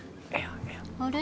あれ？